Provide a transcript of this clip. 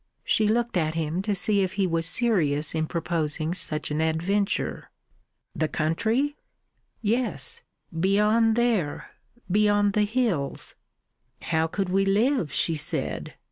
She looked at him to see if he was serious in proposing such an adventure. "The country?" "Yes beyond there. Beyond the hills." "How could we live?" she said.